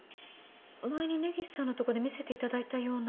前に根岸さんのとこで見せていただいたような。